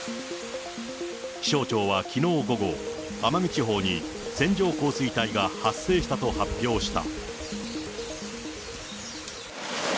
気象庁はきのう午後、奄美地方に線状降水帯が発生したと発表した。